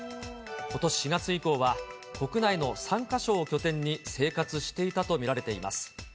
ことし４月以降は、国内の３か所を拠点に生活していたと見られています。